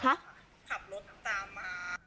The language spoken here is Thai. ขับรถตามมา